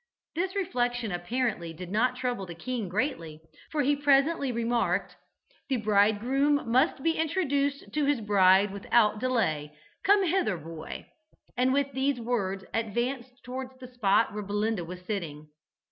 This reflection apparently did not trouble the king greatly, for he presently remarked, "the bridegroom must be introduced to his bride without delay. Come hither, boy," and with these words advanced towards the spot where Belinda was sitting.